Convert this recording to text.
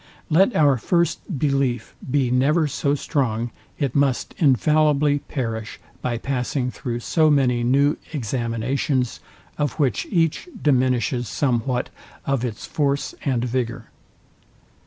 Let our first belief be never so strong, it must infallibly perish by passing through so many new examinations, of which each diminishes somewhat of its force and vigour.